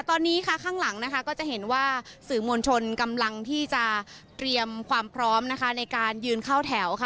ตอนนี้ค่ะข้างหลังนะคะก็จะเห็นว่าสื่อมวลชนกำลังที่จะเตรียมความพร้อมนะคะในการยืนเข้าแถวค่ะ